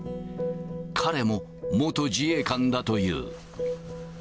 彼も元自衛官だという。